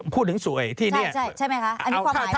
พูดถึงสวยที่เนี่ยใช่ไหมคะ